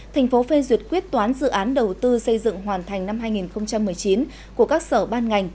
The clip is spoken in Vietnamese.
thành phố phê duyệt quyết toán dự án đầu tư xây dựng hoàn thành năm hai nghìn một mươi chín của các sở ban ngành